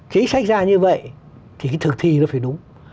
chính sách ra như vậy thì cái thực thi nó phải đúng